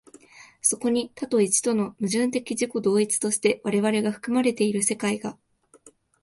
そこに多と一との矛盾的自己同一として我々が含まれている世界が、